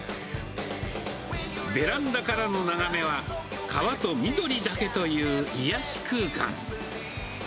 ベランダからの眺めは、川と緑だけという癒やし空間。